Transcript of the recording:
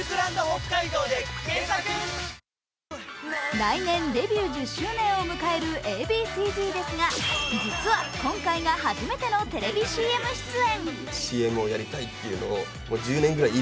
来年デビュー１０周年を迎えるＡ．Ｂ．Ｃ−Ｚですが実は、今回が初めてのテレビＣＭ出演。